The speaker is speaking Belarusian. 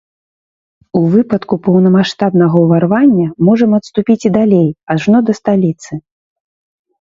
У выпадку поўнамаштабнага ўварвання можам адступіць і далей, ажно да сталіцы.